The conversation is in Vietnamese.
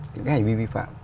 những cái hành vi vi phạm